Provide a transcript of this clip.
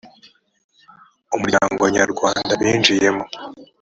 umuryango nyarwanda binjiyemo